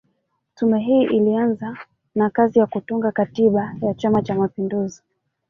Tume hii ilianza na kazi ya kutunga katiba ya Chama Cha Mapinduzi